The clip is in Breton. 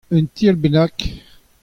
Un ti all bennak.